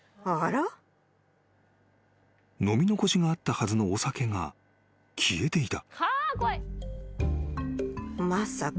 ［飲み残しがあったはずのお酒が消えていた］